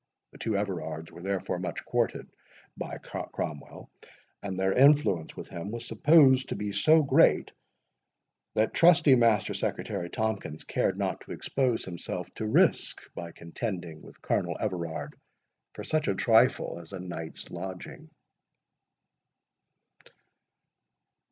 The two Everards were therefore much courted by Cromwell, and their influence with him was supposed to be so great, that trusty Master Secretary Tomkins cared not to expose himself to risk, by contending with Colonel Everard for such a trifle as a night's lodging.